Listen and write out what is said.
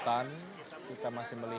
bagaimana masalah blbi